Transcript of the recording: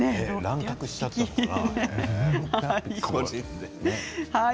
乱獲しちゃったのかな。